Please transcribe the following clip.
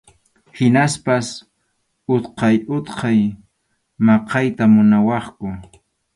Hinaspas utqay utqay maqayta munawaqku.